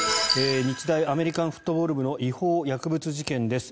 日大アメリカンフットボール部の違法薬物事件です。